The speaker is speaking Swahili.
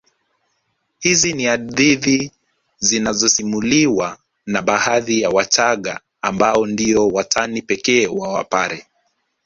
Hizi ni hadithi zinazosimuliwa na baadhi ya Wachaga ambao ndio watani pekee wa Wapare